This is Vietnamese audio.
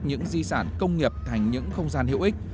những di sản công nghiệp thành những không gian hữu ích